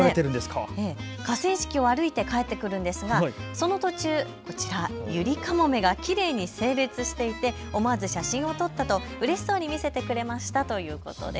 河川敷を歩いて帰ってくるのですがその途中、ユリカモメがきれいに整列していて思わず写真を撮ったとうれしそうに見せてくれましたということです。